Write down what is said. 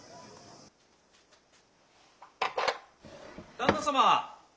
旦那様！